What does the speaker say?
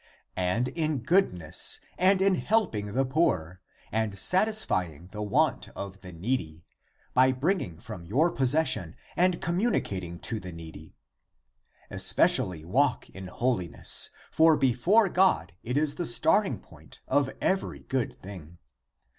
And in goodness and in helping, the poor and satisfying the want of the needy, by bringing (from your possession) and communicating to the needy. Especially walk in holiness, for before God it is the starting point of every good thing.